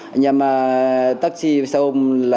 anh em taxi xe hôm